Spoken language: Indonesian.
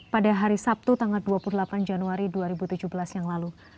pada hari sabtu tanggal dua puluh delapan januari dua ribu tujuh belas yang lalu